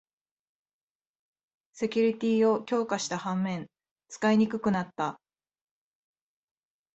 セキュリティーを強化した反面、使いにくくなった